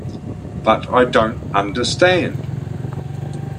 But I don't understand.